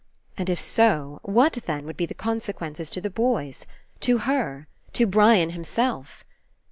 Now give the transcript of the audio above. And If so, what, then, would be the conse quences to the boys? To her? To Brian him self?